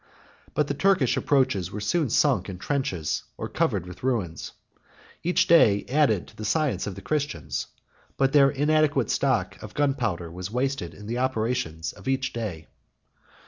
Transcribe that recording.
But the Turkish approaches were soon sunk in trenches, or covered with ruins. Each day added to the science of the Christians; but their inadequate stock of gunpowder was wasted in the operations of each day.